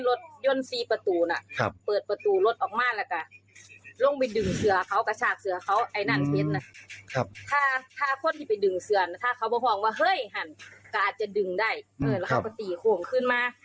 แล้วเขาก็ตีโขมขึ้นมา